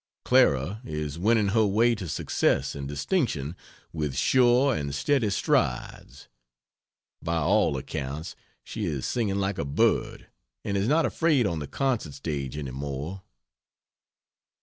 Clara, is winning her way to success and distinction with sure and steady strides. By all accounts she is singing like a bird, and is not afraid on the concert stage any more.